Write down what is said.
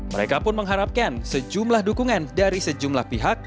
mereka pun mengharapkan sejumlah dukungan dari sejumlah pihak